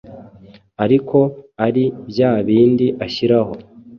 ariko ari bya bindi ashyiraho